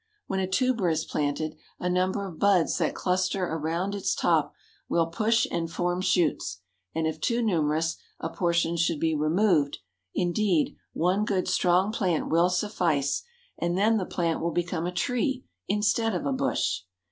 When a tuber is planted, a number of buds that cluster around its top will push and form shoots, and if too numerous, a portion should be removed; indeed, one good, strong plant will suffice, and then the plant will become a tree instead of a bush.